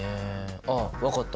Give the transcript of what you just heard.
あっ分かった！